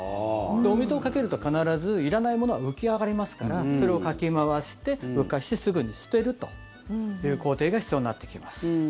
お水をかけると必ずいらないものは浮き上がりますからそれをかき回して、浮かせてすぐに捨てるという工程が必要になってきます。